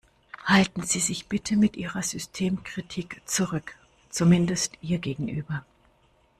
Halten Sie sich bitte mit Ihrer Systemkritik zurück, zumindest ihr gegenüber.